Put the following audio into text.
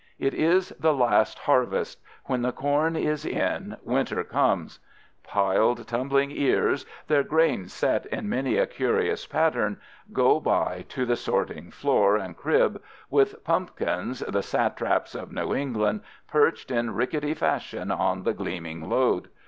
It is the last harvest; when the corn is in, winter comes. Piled, tumbling ears, their grain set in many a curious pattern, go by to the sorting floor and crib, with pumpkins, the satraps of New England, perched in rickety fashion on the gleaming load.